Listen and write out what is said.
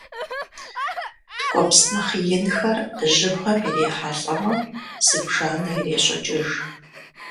Ткӏуэпс нэхъ инхэр жьыбгъэм ирихьэлӏэмэ, зыбжанэ ирещӏыкӏыж.